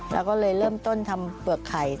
เราก็เลยเริ่มต้นทำเปลือกไข่